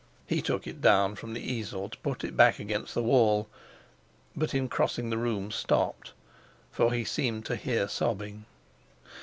He took it down from the easel to put it back against the wall; but, in crossing the room, stopped, for he seemed to hear sobbing.